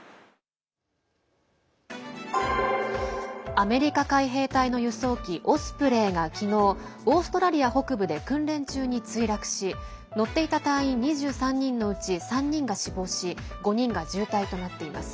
アメリカ海兵隊の輸送機オスプレイが昨日オーストラリア北部で訓練中に墜落し乗っていた隊員２３人のうち３人が死亡し５人が重体となっています。